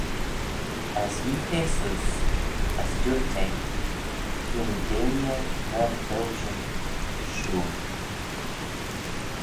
As yeeagh eh seose, as dooyrt eh, Hee-ym deiney myr biljyn, shooyll.